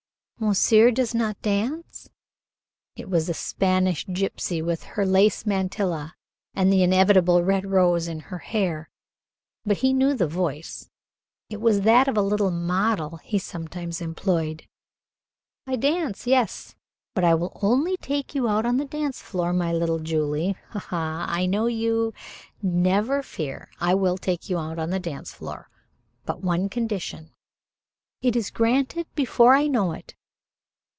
"Monsieur does not dance?" It was a Spanish gypsy with her lace mantilla and the inevitable red rose in her hair. He knew the voice. It was that of a little model he sometimes employed. "I dance, yes. But I will only take you out on the floor, my little Julie, ha ha I know you, never fear I will take you out on the floor, but on one condition." "It is granted before I know it."